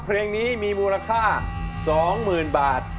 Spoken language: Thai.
เพลงนี้มีมูลค่า๒๐๐๐บาท